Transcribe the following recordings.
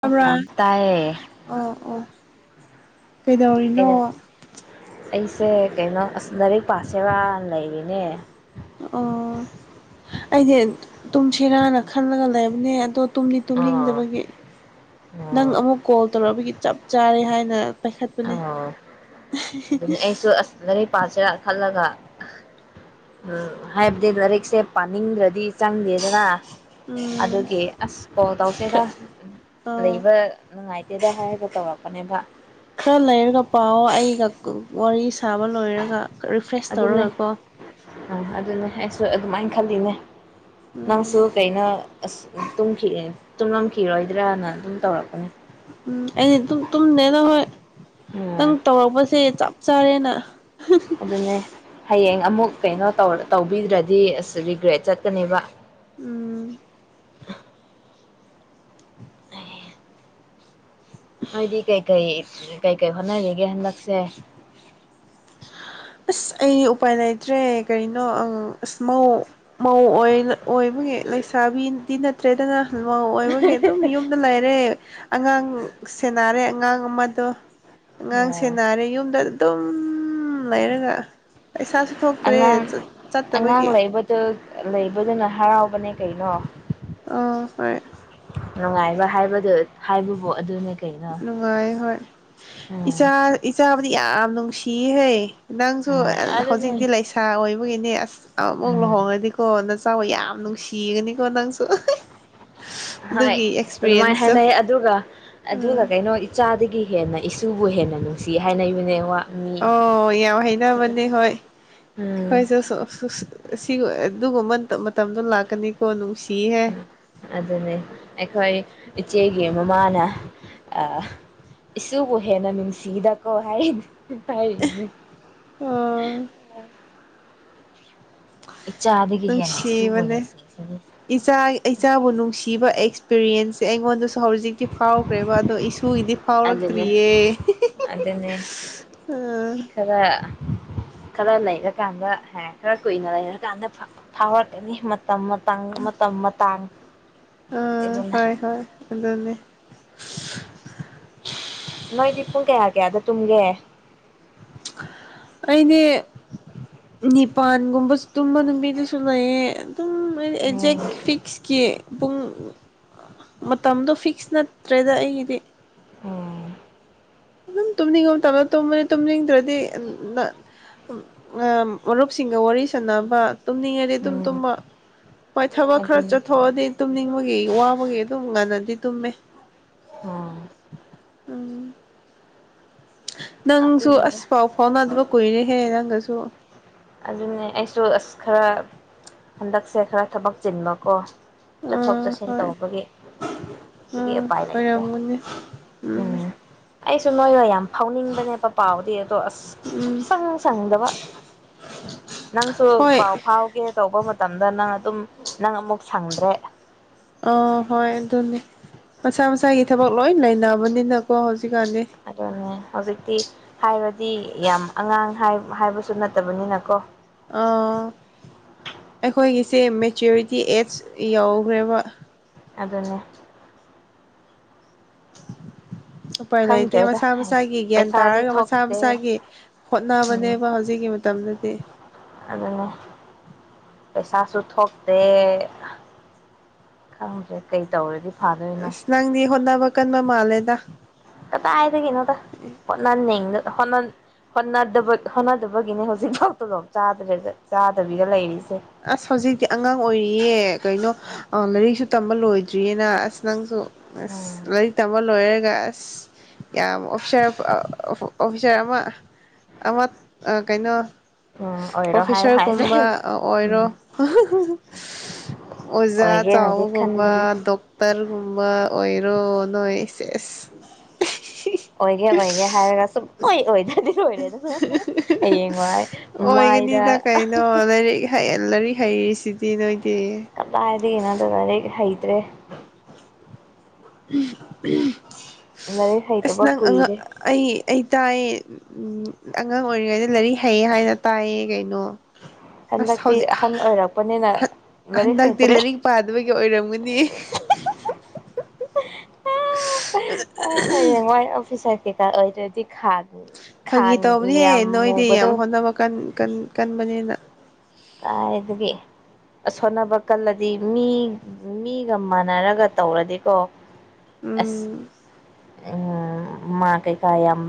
ꯇꯕ꯭ꯔꯥ ꯇꯥꯏꯌꯦ ꯑꯣ ꯑꯣ ꯀꯩꯅꯣ ꯀꯩꯗꯧꯔꯤꯅꯣ ꯑꯩꯁꯦ ꯀꯩꯅꯣ ꯑꯁ ꯂꯥꯏꯔꯤꯛ ꯄꯥꯁꯦꯔꯥ ꯂꯩꯔꯤꯅꯦ ꯑꯣ ꯑꯩꯗꯤ ꯇꯨꯝꯁꯤꯔꯥꯅ ꯈꯜꯂꯒ ꯂꯩꯕꯅꯦ ꯑꯗꯣ ꯇꯨꯝꯗꯤ ꯑꯥ ꯇꯨꯝꯅꯤꯡꯗꯕꯒꯤ ꯅꯪ ꯑꯣ ꯑꯃꯨꯛ ꯀꯣꯜ ꯇꯧꯔꯛꯑꯕꯒꯤ ꯆꯞ ꯆꯥꯔꯦ ꯍꯥꯏꯅ ꯄꯥꯏꯈꯠꯄꯅꯦ ꯑꯣ ꯑꯗꯨꯅꯤ ꯑꯩꯁꯨ ꯑꯁ ꯂꯩꯔꯛ ꯄꯥꯁꯤꯔꯥ ꯈꯜꯂꯒ꯫ ꯎꯝ ꯍꯥꯏꯕꯗꯤ ꯂꯥꯏꯔꯤꯛꯁꯦ ꯄꯥꯅꯤꯡꯗ꯭ꯔꯗꯤ ꯆꯪꯗꯦꯗꯅꯥ꯫ ꯎꯝ ꯑꯗꯨꯒꯤ ꯑꯁ ꯀꯣꯜ ꯇꯧꯁꯦꯗ ꯑꯥ ꯂꯩꯕ ꯅꯨꯡꯉꯥꯏꯇꯦꯗ꯫ ꯈꯔ ꯂꯩꯔꯒ ꯄꯥꯎ ꯑꯩꯒ ꯋꯥꯔꯤ ꯁꯥꯕ ꯂꯣꯏꯔꯒ꯫ ꯔꯤꯐ꯭ꯔꯦꯁ ꯇꯧꯔꯒꯀꯣ꯫ ꯑꯝ ꯑꯗꯨꯅꯦ ꯑꯩꯁꯨ ꯑꯗꯨꯃꯥꯏꯅ ꯈꯜꯂꯤꯅꯦ꯫ ꯎꯝ ꯅꯪꯁꯨ ꯀꯩꯅꯣ ꯑꯁ ꯇꯨꯝꯈꯤꯒꯦ꯫ ꯇꯨꯝꯂꯝꯝꯈꯤꯔꯣꯏꯗ꯭ꯔꯅ ꯑꯗꯨꯝ ꯇꯧꯔꯛꯄꯅꯦ꯫ ꯎꯝ ꯑꯩ ꯇꯨꯝ ꯇꯨꯝꯗꯦꯗ ꯍꯣꯏ꯫ ꯎꯝ ꯅꯪ ꯇꯧꯔꯛꯕꯁꯦ ꯆꯞ꯫ ꯆꯔꯦꯅꯥ꯫ ꯑꯗꯨꯅꯦ꯫ ꯍꯌꯦꯡ ꯑꯃꯨꯛ ꯀꯩꯅꯣ ꯇꯧ ꯇꯧꯕꯤꯗ꯭ꯔꯗꯤ ꯑꯁ ꯔꯤꯒ꯭ꯔꯦꯠ ꯆꯠꯀꯅꯦꯕ꯫ ꯎꯝ ꯍ꯫ ꯑꯥ꯫ ꯀꯩꯀꯩ ꯍꯣꯠꯅꯔꯤꯒꯦ ꯍꯟꯗꯛꯁꯦ꯫ ꯑꯁ ꯑꯩ ꯎꯄꯥꯏ ꯂꯩꯇ꯭ꯔꯦ ꯀꯔꯤꯅꯣ ꯑꯁ ꯃꯧ ꯃꯧ ꯑꯣꯏꯕꯒꯤ ꯂꯩꯁꯥꯕꯤꯗꯤ ꯅꯠꯇ꯭ꯔꯦꯗꯅꯥ꯫ ꯃꯧ ꯑꯣꯏꯕꯒꯤ ꯑꯗꯨꯝ ꯌꯨꯝꯗ ꯂꯩꯔꯦ꯫ ꯑꯉꯥꯡ ꯁꯦꯟꯅꯔꯦ ꯑꯉꯥꯡ ꯑꯃꯗꯣ꯫ ꯑꯉꯥꯡ ꯎꯝ ꯁꯦꯟꯅꯥꯔꯦ ꯌꯨꯝꯗ꯫ ꯇꯨꯝ꯫ ꯂꯩꯥꯔꯒ꯫ ꯄꯩꯁꯥꯁꯨ ꯊꯣꯛꯇ꯭ꯔꯦ ꯑꯉꯥꯡ ꯆꯠꯇꯕꯒꯤ꯫ ꯑꯉꯥꯡ ꯂꯩꯕꯗꯨ ꯂꯩꯕꯗꯨꯅ ꯍꯔꯥꯎꯕꯅꯦ ꯀꯩꯅꯣ꯫ ꯑꯥ ꯍꯣꯏ ꯅꯨꯡꯉꯥꯏꯕ ꯍꯥꯏꯕꯗꯨ꯫ ꯍꯥꯏꯕꯕꯨ ꯑꯗꯨꯅꯦ ꯀꯩꯅꯣ ꯅꯨꯡꯉꯥꯏ ꯍꯣꯏ ꯎꯝ ꯏꯆꯥ ꯏꯆꯥ꯫ ꯗꯤ ꯌꯥꯝ ꯅꯨꯡꯁꯤꯍꯩ꯫ ꯅꯪꯁꯨ ꯎꯝ ꯍꯧꯖꯤꯛꯇꯤ ꯑꯗꯨꯅꯦ ꯂꯩꯁꯥ ꯑꯣꯏꯕꯒꯤꯅꯦ ꯑꯁ ꯑꯃꯨꯛ ꯎꯝ ꯂꯨꯍꯣꯡꯉꯗꯤꯀꯣ ꯅ ꯆꯥꯎꯕꯨ ꯌꯥꯝ ꯅꯨꯡꯁꯤꯒꯅꯤ꯫ ꯅꯪꯁꯨ꯫ ꯍꯣꯏ ꯑꯗꯨꯒꯤ ꯑꯗꯨꯃꯥꯏꯅ ꯑꯦꯛꯁꯄꯤꯔꯤꯌꯦꯟꯁꯇꯣ ꯍꯥꯏꯅꯩ ꯑꯗꯨꯒ꯫ ꯑꯗꯨꯒ ꯎꯝ ꯀꯩꯅꯣ ꯏꯆꯥꯗꯤ꯫ ꯒꯤ ꯍꯦꯟꯅ ꯏꯆꯁꯨꯕꯨ ꯍꯦꯟꯅ ꯅꯨꯡꯁꯤ ꯍꯥꯏꯅꯔꯤꯕꯅꯦ ꯋꯥ꯫ ꯃꯤ ꯑꯣ ꯌꯥꯝ ꯍꯥꯏꯅꯕꯅꯦ ꯍꯣꯏ ꯎꯝ ꯑꯩꯈꯣꯏꯁꯨ꯫ ꯑꯗꯨꯒꯨꯝꯕ ꯃꯇꯝꯗꯣ ꯂꯥꯛꯀꯅꯤꯀꯣ ꯅꯨꯡꯁꯤ꯫ ꯑꯗꯨꯅꯦ ꯑꯩꯈꯣꯏ ꯏꯆꯦꯒꯤ ꯃꯃꯥꯅ ꯏꯁꯨꯕꯨ ꯍꯦꯟꯅ ꯅꯨꯡꯁꯤꯗꯀꯣ ꯍꯥꯏꯔꯤ ꯇꯥꯏꯅꯤ [unintelligible] ꯑꯣ ꯍꯦꯟꯅ ꯏꯁꯨꯕꯨ ꯅꯨꯡꯁꯤꯕꯅꯦ ꯅꯨꯡꯁꯤꯁꯤꯅꯤ ꯏꯆꯥ ꯏꯆꯥꯕꯨ ꯅꯨꯡꯁꯤꯕ ꯑꯦꯛꯁꯄꯤꯔꯤꯌꯦꯟꯁ ꯁꯦ ꯑꯩꯉꯣꯟꯗꯁꯨ ꯍꯧꯖꯤꯛꯇꯤ ꯐꯥꯎꯈ꯭ꯔꯦꯕ ꯑꯗꯣ ꯏꯁꯨꯏꯗꯤ ꯑꯗꯨꯅꯦ ꯐꯥꯎꯔꯛꯇ꯭ꯔꯤꯌꯦ ꯑꯗꯨꯅꯦ ꯎ ꯈꯔ ꯈꯔ ꯂꯩꯔꯀꯥꯟꯗ ꯈꯔ ꯀꯨꯏꯅ ꯂꯩꯔꯀꯥꯟꯗ ꯐꯥꯎꯔꯛꯀꯅꯤ ꯃꯇꯝꯥꯡ ꯃꯇꯝ ꯃꯇꯥꯡ ꯑꯥ ꯑꯗꯨꯅꯦ ꯍꯣꯏ ꯍꯣꯏ [inaudible] [inaudible] ꯅꯣꯏꯗꯤ ꯄꯨꯡ ꯀꯌꯥ ꯀꯌꯥꯗ ꯇꯨꯝꯒꯦ ꯑꯩꯅꯦ ꯅꯤꯄꯥꯟꯒꯨꯝꯕꯁꯨ ꯇꯨꯝꯕ ꯅꯨꯕꯤꯗꯨꯁꯨ ꯂꯩꯌꯦꯦ ꯑꯗꯨꯝ ꯑꯦꯛꯖꯦꯛ ꯎꯝ ꯐꯤꯛꯁꯀꯤ ꯄꯨꯡ ꯃꯇꯝꯗꯣ ꯐꯤꯛꯁ ꯅꯠꯇ꯭ꯔꯦꯗ ꯑꯩꯒꯤꯗꯤ ꯑꯣ ꯑꯗꯨꯝ ꯇꯨꯝꯅꯤꯡꯉ ꯃꯇꯝꯗꯇꯨꯝꯕꯅꯤ ꯇꯨꯝꯅꯤꯡꯗ꯭ꯔꯗꯤ ꯃꯔꯨꯞꯁꯤꯡꯒ ꯋꯥꯔꯤ ꯁꯥꯟꯅꯕ ꯇꯨꯝꯅꯤꯡꯉꯗꯤ ꯑꯗꯨꯝ ꯎꯝ ꯇꯨꯝꯕ ꯍꯣꯏ ꯊꯕꯛ ꯈꯔ ꯑꯗꯨꯅꯤ ꯆꯠꯊꯣꯛꯑꯗꯤ ꯇꯨꯝꯅꯤꯡꯕꯒꯤ ꯋꯥꯕꯒꯤ ꯑꯗꯨꯝ ꯉꯥꯟꯅ ꯇꯃꯦ ꯍ ꯅꯪꯁꯨ ꯑꯗꯨꯅꯤꯗ ꯑꯁ ꯄꯥꯎ ꯐꯥꯎꯅꯗꯕ ꯀꯨꯏꯔꯦꯍꯦ ꯅꯪ ꯀꯖꯛ ꯑꯗꯨꯅꯦ ꯑꯩꯁꯨ ꯑꯁ ꯈꯔ ꯍꯟꯗꯛꯁꯦ ꯈꯔ ꯊꯕꯛ ꯆꯤꯟꯕꯀꯣ ꯆꯠꯊꯣꯛ ꯎꯝ ꯆꯠꯁꯤꯟ ꯍꯣꯏ ꯇꯧꯕꯒꯤ ꯑꯗꯨꯒꯤ ꯎꯝ ꯎꯄꯥꯏ ꯂꯩꯇ꯭ꯔꯦ ꯑꯣꯏꯔꯝꯒꯅꯤ ꯎꯝ ꯑꯩꯁꯨ ꯅꯣꯏꯅ ꯌꯥꯝ ꯐꯥꯎꯅꯤꯡꯕꯅꯦꯕ ꯄꯥꯎꯗꯤ ꯑꯗꯣ ꯑꯁ ꯎꯝ ꯁꯨꯡꯁꯪ ꯁꯪꯗꯕ ꯅꯪꯁꯨ ꯍꯣꯏ ꯄꯥꯎ ꯐꯥꯎꯒꯦ ꯇꯧꯕ ꯃꯇꯝ ꯃꯇꯝꯗ ꯅꯪ ꯑꯗꯨꯝ ꯅꯪ ꯑꯃꯨꯛ ꯁꯪꯗ꯭ꯔꯦ ꯑ ꯍꯣꯏ ꯑꯗꯨꯅꯤ ꯃꯁꯥ ꯃꯁꯥꯒꯤ ꯊꯕꯛ ꯂꯣꯏ ꯂꯩꯅꯕꯅꯤꯅꯀꯣ ꯍꯧꯖꯤꯛ ꯑꯗꯨꯅꯦ ꯍꯧꯖꯤꯛꯇꯤ ꯍꯥꯏꯔꯗꯤ ꯌꯥꯝ ꯑꯉꯥꯡ ꯍꯥꯏ ꯍꯥꯏꯕꯁꯨ ꯅꯠꯇꯕꯅꯤꯅ ꯀꯣ ꯑꯩꯈꯣꯏꯒꯤꯁꯦ ꯃꯦꯆꯨꯔꯤꯇꯤ ꯑꯦꯖ ꯌꯧꯈ꯭ꯔꯦꯕ ꯑꯗꯨꯅꯦ ꯎꯄꯥꯏ ꯂꯩ ꯂꯩꯇꯦ ꯈꯪꯗ꯭ꯔꯦꯗ ꯃꯁꯥ ꯍꯥꯏꯁ ꯃꯁꯥꯒꯤ ꯒ꯭ꯌꯥꯟ ꯄꯩꯁꯥꯗꯤ ꯇꯥꯔꯒ ꯃꯁꯥ ꯊꯣꯛꯇꯦ ꯃꯁꯥꯒꯤ ꯎꯝ ꯍꯣꯠꯅꯕꯅꯦꯕ ꯍꯧꯖꯤꯛꯀꯤ ꯃꯇꯝꯗꯗꯤ ꯑꯗꯨꯅꯦ ꯄꯩꯁꯥꯁꯨ ꯊꯣꯛꯇꯦ ꯈꯪꯗ꯭ꯔꯦ ꯀꯩ ꯇꯧꯔꯗꯤ ꯐꯥꯗꯣꯏꯅꯣ ꯅꯪꯅꯤ ꯍꯣꯗꯕ ꯆ ꯀꯟ ꯃ ꯃꯥꯂꯦꯗ ꯀꯠꯇ ꯍꯥꯏꯥꯏꯗꯒ ꯅꯣꯗ ꯅꯥꯟꯦ ꯍ ꯍꯣꯠꯅꯗꯕꯒꯤꯅꯦ ꯍꯧꯖꯤꯛꯐꯥꯎꯇꯐꯥꯎ ꯆꯗ ꯆꯥꯗꯕꯤꯗ ꯂꯩꯔꯤꯁꯦ ꯑꯁ ꯍꯧꯖꯤꯛꯇꯤ ꯑꯉꯥꯡ ꯑꯣꯏꯔꯤꯌꯦ ꯀꯩꯅꯣ ꯑ ꯂꯥꯏꯔꯤꯛꯁꯨ ꯇꯝꯕ ꯂꯣꯏꯗ꯭ꯔꯤꯌꯦꯅ ꯑꯁ ꯅꯪꯁꯨ ꯑꯁ ꯎꯝ ꯂꯩꯔꯤꯛ ꯇꯝꯕ ꯂꯣꯏꯔꯦ ꯑꯁ ꯌꯥꯝ ꯑꯣꯐꯤꯁꯥꯔ ꯑꯣꯐꯤꯁꯥꯔ ꯑꯃ ꯑꯃ ꯀꯩꯅꯣ ꯎꯝ ꯑꯣꯏꯔꯣ ꯍꯥꯏ ꯍꯥꯏꯁꯦ ꯄ꯭ꯔꯣꯐꯦꯁꯔꯒꯨꯝꯕ ꯑꯣꯏꯔꯣ ꯎꯝ ꯑꯣꯖꯥ ꯑꯣꯏꯒꯦꯅꯗꯤ ꯆꯥꯎꯕꯒꯨꯝꯕ ꯈꯟꯕꯅꯦ ꯗꯣꯛꯇꯔꯒꯨꯝꯕ ꯑꯣꯏ ꯑꯣꯏꯔꯣ ꯅꯣꯏ ꯁꯦꯁ ꯑꯣꯏꯒꯦ ꯑꯣꯏꯒꯦ ꯍꯥꯏꯔꯒ ꯁꯨꯡꯑꯣꯏ ꯑꯣꯏꯗ꯭ꯔꯗꯤ ꯑꯣꯏꯔꯦꯗꯅ ꯍꯌꯦꯡ ꯋꯥꯏ ꯃꯥꯏꯗ ꯑꯦꯂꯔꯤ ꯍꯩ ꯀꯗꯥꯏꯗꯒꯤꯅꯣꯗ ꯂꯥꯏꯔꯤꯛ ꯍꯩ ꯇ꯭ꯔꯦ ꯎꯝ ꯎꯝ ꯂꯥꯏꯔꯤꯛ ꯑꯁ ꯍꯩꯇꯕ ꯅꯪ ꯑꯉꯥꯡ ꯀꯨꯏꯔꯦ ꯑꯩ ꯑꯩ ꯇꯥꯏ ꯎꯝ ꯑꯉꯥꯡ ꯑꯣꯏꯔꯤꯉꯩꯗ ꯂꯥꯏꯔꯤꯛ ꯍꯩꯌꯦ ꯍꯥꯏꯅ ꯇꯥꯏꯌꯦ ꯀꯩꯅꯣ ꯑꯁ ꯍꯟꯗꯛꯇꯤ ꯍꯧꯖꯤꯛ ꯑꯍꯟ ꯑꯣꯏꯔꯛꯄꯅꯤꯅ ꯂꯥꯏꯔꯤꯛ ꯍꯟꯗꯛꯇꯤ ꯍꯩꯇ꯭ꯔꯦ ꯂꯥꯏꯔꯤꯛ ꯄꯥꯗꯕꯒꯤ ꯑꯣꯏꯔꯝꯒꯅꯤ ꯍꯌꯦꯡ ꯋꯥꯏ ꯑꯣꯐꯤꯁꯔ ꯀꯦꯀꯥ ꯑꯣꯏꯗ꯭ꯔꯗꯤ ꯈꯥ ꯐꯥꯒꯤ ꯇꯧꯕꯅꯦꯍꯦ ꯅꯣꯏꯗꯤ ꯌꯥꯝ ꯍꯣꯠꯅꯕ ꯀꯟ ꯀꯟ ꯀꯟꯕꯅꯤꯅ ꯀꯥꯏꯗꯒꯤ ꯑꯁ ꯍꯣꯠꯅꯕ ꯀꯜꯂꯗꯤ ꯃꯤ ꯃꯤꯒ ꯃꯥꯟꯅꯔꯒ ꯇꯧꯔꯗꯤꯀꯣ ꯑꯁ ꯎꯝ ꯎꯝ ꯃꯥ ꯀꯩꯀꯥ ꯌꯥꯝ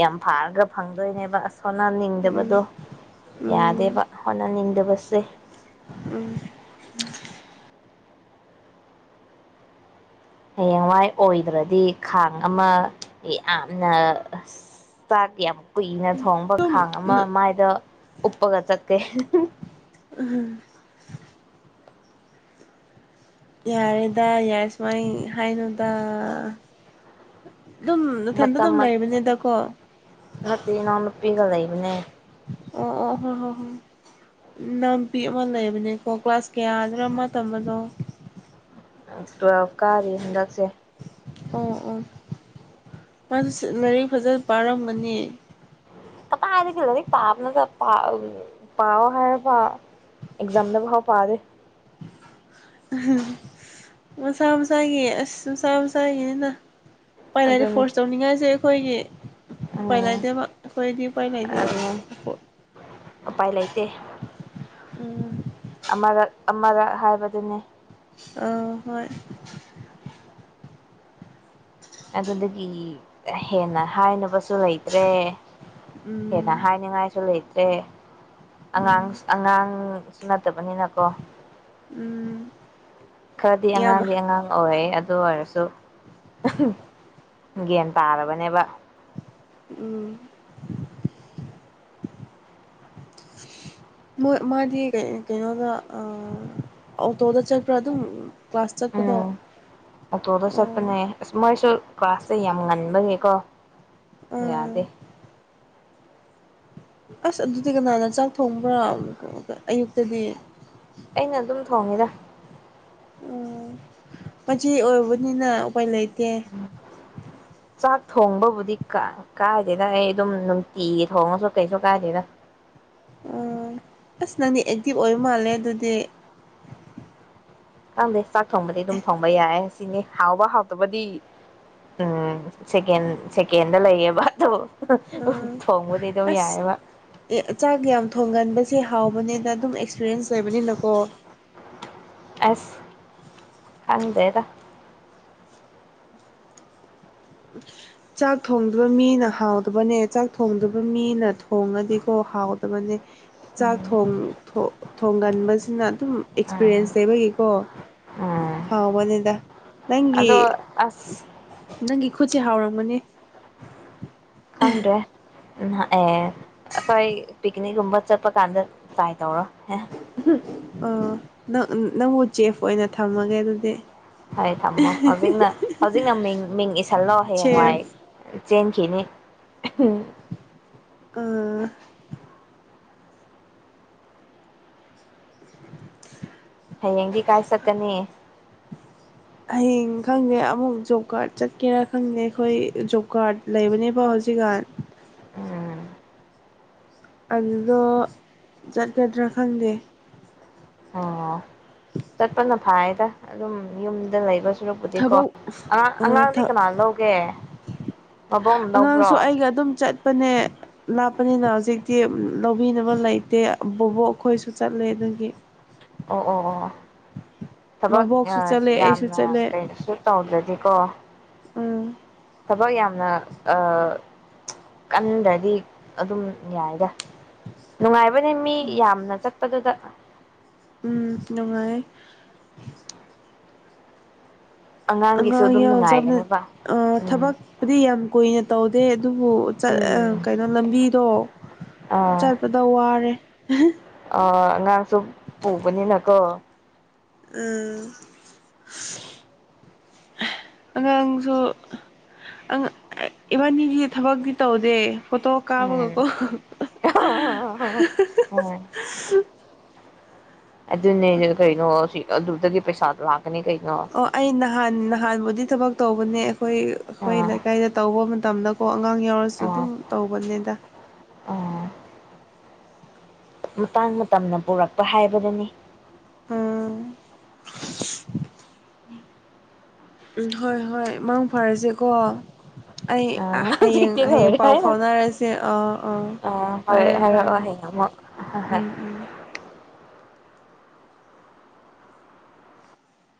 ꯌꯥꯝ ꯐꯥꯔꯒ ꯐꯪꯗꯣꯏꯅꯦꯕ ꯑꯁ ꯍꯣꯟꯅꯅꯤꯡꯗꯕꯗꯣ ꯎꯝ ꯌꯥꯗꯦꯕ ꯍꯣꯠꯅꯅꯤꯡꯗꯕ ꯁꯦ ꯎꯝ ꯍꯌꯦꯡꯋꯥꯏ ꯑꯣꯏꯗ꯭ꯔꯗꯤ ꯈꯥꯡ ꯑꯃ ꯌꯥꯝꯅ ꯆꯥꯛ ꯌꯥꯝ ꯀꯨꯏꯅ ꯊꯣꯡꯕ ꯈꯥꯡ ꯑꯃ ꯃꯥꯏꯗ ꯎꯞꯄꯒ ꯆꯠꯀꯦ ꯎꯝ ꯌꯥꯔꯦꯗ ꯌꯥꯔꯦ ꯁꯨꯃꯥꯏ ꯍꯥꯏꯅꯨꯗ ꯑꯗꯨꯝ ꯏꯊꯟꯇ ꯑꯗꯨꯝ ꯃꯇꯝ ꯂꯩꯕꯅꯤꯗꯀꯣ ꯅꯦ ꯑꯣ ꯑꯣ ꯍꯣꯏ ꯍꯣꯏ ꯍꯣꯏ ꯅꯥꯄꯤ ꯑꯃ ꯂꯩꯕꯅꯦꯀꯣ ꯀ꯭ꯂꯥꯁ ꯀꯌꯥꯗꯅꯣ ꯑꯃ ꯇꯝꯕꯗꯣ ꯇꯨꯋꯦꯜꯐ ꯀꯥꯔꯤ ꯍꯟꯗꯛꯁꯦ ꯑꯣ ꯑꯣ ꯃꯥꯗꯨ ꯂꯥꯏꯔꯤꯛ ꯐꯖꯅ ꯄꯥꯔꯝꯕꯅꯤ ꯀꯇꯥꯏꯗꯒꯤ ꯂꯥꯏꯔꯤꯛ ꯄꯥꯕꯅꯣꯗ ꯄꯥꯑ ꯄꯥꯎꯋꯣ ꯍꯥꯏꯔꯒ ꯄꯥꯎ ꯑꯦꯛꯖꯥꯝꯗ ꯈꯔ ꯄꯥꯗꯣꯏ ꯃꯁꯥ ꯃꯁꯥꯒꯤ ꯑꯁ ꯃꯁꯥ ꯃꯁꯥꯒꯤꯅꯤꯅ [unintelligible] ꯑꯗꯨꯅꯤ ꯐꯣꯔꯁ ꯇꯧꯅꯤꯡ ꯉꯥꯏꯁꯦ ꯑꯈꯣꯏꯒꯤ ꯄ ꯎꯝ ꯂꯩꯗ ꯀꯣꯏꯗꯤ ꯄ ꯂꯩꯗ ꯑꯗꯨꯅꯦ ꯎ ꯎꯄꯥꯏ ꯂꯩꯇꯦ ꯑꯃꯔꯛ ꯑꯃꯔꯛ ꯍꯥꯏꯕꯗꯨꯅꯤ ꯑ ꯍꯣꯏ ꯑꯗꯨꯗꯒꯤ ꯍꯦꯟꯅ ꯍꯥꯏꯅꯕꯁꯨ ꯂꯩꯇ꯭ꯔꯦ ꯍꯦꯟꯅ ꯎꯝ ꯍꯥꯏꯅꯤꯡꯉꯥꯏꯁꯨ ꯂꯩꯇꯦ ꯇꯦ ꯑꯉꯥꯡ ꯎꯝ ꯑꯉꯥꯡ ꯁꯨ ꯅꯠꯇꯕꯅꯤꯅꯀꯣ ꯎꯝ ꯈꯔꯗꯤ ꯌꯥꯝ ꯑꯉꯥꯡꯗꯤ ꯑꯉꯥꯡ ꯑꯣꯏꯌꯦ ꯑꯗꯨ ꯑꯗꯨ ꯑꯣꯏꯔꯁꯨ ꯒ꯭ꯌꯥꯟ ꯇꯥꯔꯕꯅꯦꯕ ꯎꯝ ꯃꯥꯗꯤ ꯀꯩꯅꯣꯗ ꯑꯣꯇꯣꯗ ꯆꯠꯄ꯭ꯔꯥ ꯑꯗꯨꯝ ꯀ꯭ꯂꯥꯁ ꯆꯠꯄꯗꯣ ꯎꯝ ꯑ ꯇꯣꯗ ꯑꯥ ꯃꯁꯨ ꯀ꯭ꯂꯥꯁꯇ ꯌꯥꯝ ꯉꯟꯕꯒꯤꯦꯀꯣ ꯑꯥ ꯑꯁ ꯑꯗꯨꯗꯤ ꯀꯅꯥꯅ ꯆꯥꯛ ꯊꯣꯡꯕ꯭ꯔꯥ ꯑꯌꯨꯛꯇꯗꯤ ꯑꯩꯅ ꯑꯗꯨꯝ ꯊꯣꯡꯉꯤꯗ ꯑꯣ ꯃꯆꯦ ꯑꯣꯏꯕꯅꯤꯅ ꯎꯄꯥꯏ ꯂꯩ ꯀꯦ ꯆꯥꯛ ꯊꯣꯡꯕꯕꯨꯗꯤ ꯀꯥꯏꯗꯦꯗ ꯑꯩ ꯑꯗꯨꯝ ꯅꯨꯡꯇꯤꯒꯤ ꯊꯣꯡꯉꯁꯨ ꯀꯩꯁꯨ ꯀꯥꯏꯗꯦꯗ ꯑꯁ ꯅꯪꯗꯤ ꯑꯦꯛꯇꯤꯚ ꯑꯣꯏꯕ ꯃꯥꯜꯂꯦ ꯑꯗꯨꯗꯤ ꯈꯪꯗꯦ ꯆꯥꯛ ꯊꯣꯡꯕꯗꯤ ꯑꯗꯨꯝ ꯊꯣꯡꯕ ꯌꯥꯏ ꯁꯤꯅꯤ ꯍꯥꯎꯕ ꯍꯥꯎꯇꯕꯗꯤ ꯎꯝ ꯁꯦꯀꯦꯟ ꯁꯦꯀꯦꯟꯗ ꯂꯩꯌꯦꯕ ꯑꯗꯣ ꯑꯥ ꯊꯣꯡꯕꯗꯤ ꯑꯗꯨꯝ ꯑꯁ ꯌꯥꯏꯑꯕ ꯑꯦ ꯆꯥꯛ ꯌꯥꯝ ꯊꯣꯡꯒꯟꯕꯁꯦ ꯍꯥꯎꯕꯅꯦꯅ ꯗ ꯑꯗꯨꯝ ꯑꯦꯛꯁꯄꯤꯔꯤꯌꯦꯟꯁ ꯂꯩꯕꯅꯤꯅꯀꯣ ꯑꯁ ꯈꯗꯦꯗ ꯆꯥꯛ ꯊꯣꯡꯗꯕ ꯃꯤꯅ ꯍꯥꯎꯗꯕꯅꯦ ꯆꯥꯛ ꯊꯣꯡꯗꯕ ꯃꯤꯅ ꯊꯣꯡꯉꯗꯤꯀꯣ ꯍꯥꯎꯗꯕꯅꯦ ꯆꯥꯛ ꯎꯝ ꯊ ꯊꯣꯡꯒꯟꯕ ꯁꯤꯅ ꯑꯗꯨꯝ ꯎꯝ ꯑꯦꯛꯁꯄꯤꯔꯤꯌꯦꯟꯁ ꯂꯩꯕꯒꯤꯀꯣ ꯎꯝ ꯍꯥꯎꯕꯅꯤꯗ ꯅꯪꯒꯤ ꯑꯗꯣ ꯑꯁ ꯅꯪꯒꯤ ꯈꯨꯠꯁꯦ ꯍꯥꯎꯔꯝꯒꯅꯤ ꯍꯪꯗ꯭ꯔꯦ ꯎꯝ ꯑꯦ ꯑꯩꯈꯣꯏ ꯄꯤꯛꯅꯤꯛꯀꯨꯝꯕ ꯆꯠꯄ ꯀꯥꯟꯗ ꯇ꯭ꯔꯥꯏ ꯇꯧꯔꯣ ꯑꯣ ꯅꯪ ꯅꯪꯕꯨ ꯆꯦꯐ ꯑꯣꯏꯅ ꯊꯝꯃꯒꯦ ꯑꯗꯨꯗꯤ ꯐꯣꯏ ꯊꯝꯃꯣ ꯍꯧꯖꯤꯛꯅ ꯍꯧꯖꯤꯛꯅ ꯃꯤꯡ ꯃꯤꯡ ꯏꯁꯤꯜꯂꯣ ꯍꯌꯦꯡꯋꯥꯏ ꯆꯦꯐ ꯆꯦꯟꯈꯤꯅꯤ ꯎ ꯑꯥ ꯍꯌꯦꯡꯗꯤ ꯀꯥꯏ ꯆꯠꯀꯅꯤ ꯍꯌꯦꯡ ꯈꯪꯗꯦ ꯑꯃꯨꯛ ꯖꯣꯕ ꯀꯥꯔꯗ ꯆꯠꯀꯦꯔꯥ ꯈꯪꯗꯦ ꯑꯩꯈꯣꯏ ꯖꯣꯕ ꯀꯥꯔꯗ ꯂꯩꯕꯅꯦꯕ ꯍꯧꯖꯤꯛꯀꯥꯟ ꯎꯝ ꯑꯗꯨꯗꯣ ꯆꯠꯀꯗ꯭ꯔꯥ ꯈꯪꯗꯦ ꯑꯣ ꯆꯠꯄꯅ ꯐꯥꯏꯗ ꯑꯗꯨꯝ ꯌꯨꯝꯗ ꯂꯩꯕꯁꯨ ꯁꯨꯔꯛꯄꯨꯗꯤꯀꯣ ꯊꯕꯛ ꯑꯉꯥꯡ ꯑꯥ ꯑꯉꯥꯡꯗꯤ ꯊ ꯀꯅꯥ ꯂꯧꯒꯦ ꯃꯕꯣꯛ ꯂꯧꯕ꯭ꯔꯣ ꯑꯉꯥꯡꯁꯨ ꯄꯅꯤꯅ ꯍꯧꯖꯤꯛꯇꯤ ꯂꯧꯕꯤꯅꯕ ꯂꯩꯇꯦ ꯕꯣꯕꯣꯛ ꯑꯩꯈꯣꯏꯁꯨ ꯆꯠꯂꯦ ꯑꯗꯒꯤ ꯑꯣ ꯑꯣ ꯑꯣ ꯊꯕꯛ ꯃꯕꯣꯛꯁꯨ ꯆꯠꯂꯦ ꯑꯩꯁꯨ ꯌꯥꯝꯅ ꯆꯠꯂꯦ ꯀꯩꯅꯣꯁꯨ ꯇꯧꯗ꯭ꯔꯗꯤ ꯀꯣ ꯎꯝ ꯊꯕꯛ ꯌꯥꯝꯅ ꯀꯟꯗ꯭ꯔꯗꯤ ꯑꯗꯨꯝ ꯌꯥꯏꯗ ꯅꯨꯡꯉꯥꯏꯕꯅꯦ ꯃꯤ ꯌꯥꯝꯅ ꯆꯠꯄꯗꯨꯗ ꯎꯝ ꯅꯨꯡꯉꯥꯏ ꯑꯉꯥꯡꯒꯤꯁꯨ ꯑꯉꯥꯡ ꯑꯗꯨꯝ ꯌꯥ ꯆꯅ ꯅꯨꯡꯉꯥꯏꯒꯅꯦꯕ ꯎꯝ ꯊꯕꯛꯄꯨꯗꯤ ꯌꯥꯝ ꯀꯨꯏꯅ ꯇꯧꯗꯦ ꯑꯗꯨꯕꯨ ꯎꯝ ꯀꯩꯅꯣ ꯂꯝꯕꯤꯗꯣ ꯑꯥ ꯆꯠꯄꯗ ꯋꯥꯔꯦ ꯑꯥ ꯑꯉꯥꯡꯁꯨ ꯄꯨꯕꯅꯤꯅꯀꯣ ꯎꯝ ꯑꯉꯥꯡꯁꯨ ꯏꯕꯥꯅꯤꯒꯤ ꯊꯕꯛꯤ ꯇꯧꯗꯦ ꯐꯇꯣ ꯎꯝ ꯀꯥꯕꯒꯀꯣ ꯑꯗꯨꯟꯅꯩꯅ ꯀꯩꯣ ꯍ ꯑꯗꯨꯗꯒꯤ ꯄꯩꯁꯥ ꯂꯥꯛ ꯑꯣ ꯑꯩ ꯅꯍꯥꯟ ꯅꯍꯥꯟꯕꯨꯗꯤ ꯊꯕꯛ ꯇꯧꯕꯅꯦ ꯑꯩꯈꯣꯏ ꯑꯩꯈꯣꯏ ꯑꯥ ꯂꯩꯀꯥꯏꯗ ꯇꯧꯕ ꯃꯇꯝꯗ ꯑꯉꯥꯡ ꯌꯥꯎꯔꯁꯨ ꯑꯗꯨꯝ ꯑꯣ ꯇꯧꯕꯅꯦꯗ ꯑꯥ ꯃꯇꯥꯡ ꯃꯇꯝꯅ ꯄꯨꯔꯛꯄ ꯍꯥꯏꯕꯗꯨꯅꯤ ꯎꯝ ꯎꯝ ꯍꯣꯏ ꯍꯣꯏ ꯃꯥꯡ ꯐꯥꯔꯁꯦꯀꯣ ꯑꯩ ꯑ ꯍꯌꯦꯡ ꯍꯧꯖꯤꯛꯇꯤ ꯍꯌꯦꯡ ꯂꯣꯏꯔꯦ ꯄꯥꯎ ꯐꯥꯎꯅꯔꯁꯦ ꯑꯥ ꯑꯥ ꯍꯣꯏ ꯐꯔꯦ ꯐꯔꯦ ꯍꯥꯏꯔꯛꯑꯣ ꯍꯌꯦꯡ ꯑꯃꯨꯛ ꯍꯣꯏ ꯍꯣꯏ ꯎꯝ ꯎꯝ